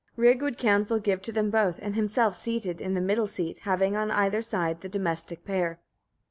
27. Rig would counsel give to them both, and himself seated on the middle seat, having on either side the domestic pair.